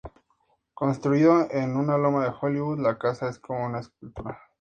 Construido en una loma de Hollywood, la casa es como una escultura.